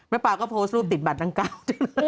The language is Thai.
แม่ปลาก็โพสต์รูปติดบัตรทั้ง๙ชั่วโหล